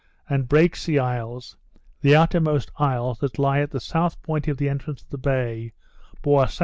and Break sea Isles (the outermost isles that lie at the south point of the entrance of the bay,) bore S.S.